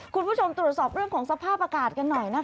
คุณผู้ชมตรวจสอบเรื่องของสภาพอากาศกันหน่อยนะคะ